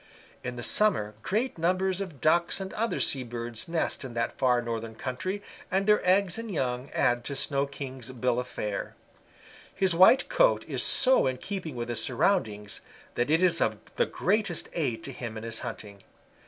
In the summer great numbers of Ducks and other sea birds nest in that far northern country, and their eggs and young add to Snow King's bill of fare. His white coat is so in keeping with his surroundings that it is of the greatest aid to him in his hunting.